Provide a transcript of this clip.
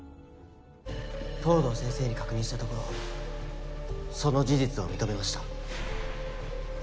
藤堂先生に確認したところその事実を認めました。